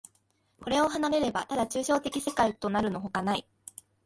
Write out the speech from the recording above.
これを離れれば、ただ抽象的世界となるのほかない。